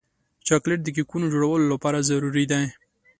چاکلېټ د کیکونو جوړولو لپاره ضروري دی.